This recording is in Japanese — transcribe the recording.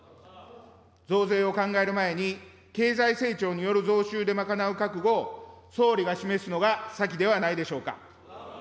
増税を考える前に、経済成長による増収で賄う覚悟を総理が示すのが先ではないでしょうか。